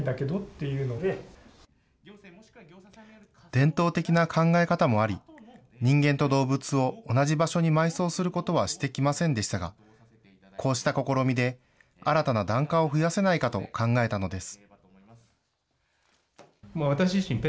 伝統的な考え方もあり、人間と動物を同じ場所に埋葬することはしてきませんでしたが、こうした試みで、新たな檀家を増やせないかと考えたのです。